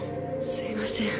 すいません。